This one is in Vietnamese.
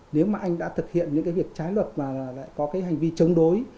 nếu mà anh đã thực hiện những việc trái luật mà lại có hành vi chống đối